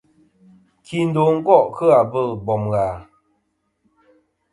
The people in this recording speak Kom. Kindo gò' kɨ abɨl bom ghà?